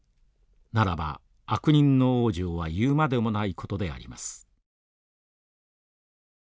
ならば悪人の往生は言うまでもないことであります」。